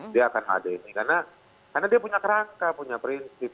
dia akan ada ini karena dia punya kerangka punya prinsip